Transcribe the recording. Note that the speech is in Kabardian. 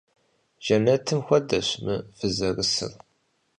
Жэнэтым хуэдэщ мы фызэрысыр.